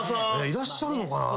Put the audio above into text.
いらっしゃるのかな。